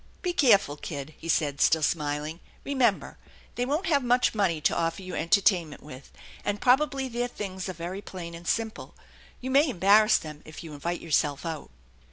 "Be careful, kid," he said, still smiling. "Eemember, they won't have much money to offer you entertainment with, and probably their things are very plain and simple. You may embarrass them if you invite yourself out."